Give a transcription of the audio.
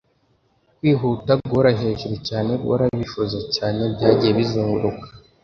kwihuta, guhora hejuru cyane, guhora bivuza cyane, byagiye bizunguruka